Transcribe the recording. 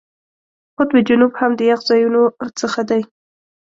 قطب جنوب هم د یخ ځایونو څخه دی.